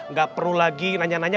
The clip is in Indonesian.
nggak perlu lagi nanya nanya